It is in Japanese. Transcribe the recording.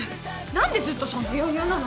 なんでずっとそんな余裕なの。